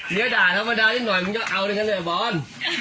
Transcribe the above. เมียด่ายธรรมดานิดหน่อยมึงจะเอาด้วยนะเนี่ยไอ้บอล